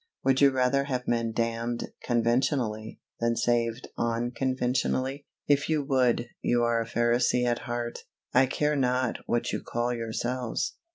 Would you rather have men damned conventionally, than saved unconventionally? If you would, you are a Pharisee at heart I care not what you call yourselves.